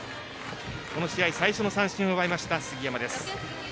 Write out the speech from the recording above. この試合、最初の三振を奪いました杉山です。